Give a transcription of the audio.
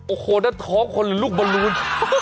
โอ้โหนั่นท้องคนลูกบรรลุน